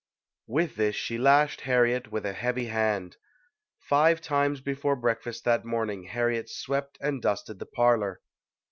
With this she lashed Harriet with a heavy hand. Five times before breakfast that morning Harriet swept and dusted the parlor.